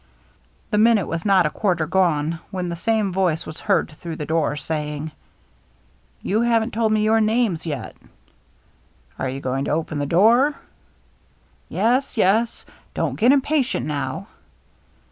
The minute was not a quarter gone when the same voice was heard through the door, saying, " You haven't told me your names yet." " Are you going to open this door ?" "Yes, yes. Don't get impatient now."